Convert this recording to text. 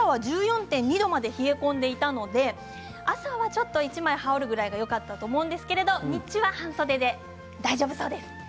朝は１４．２度まで冷え込んでいたので朝は１枚羽織るぐらいがよかったと思いますが日中は半袖で大丈夫そうです。